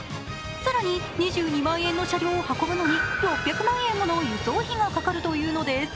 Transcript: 更に２２万円の車両を運ぶのに６００万円物輸送費がかかるというのです。